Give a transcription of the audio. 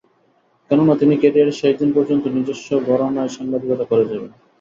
কেননা, তিনি ক্যারিয়ারের শেষ দিন পর্যন্ত নিজস্ব ঘরানায় সাংবাদিকতা করে যাবেন।